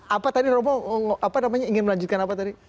apa tadi romo apa namanya ingin melanjutkan apa tadi